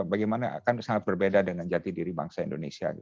bagaimana akan sangat berbeda dengan jati diri bangsa indonesia